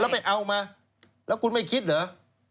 แล้วไปเอามาแล้วคุณไม่คิดเหรอ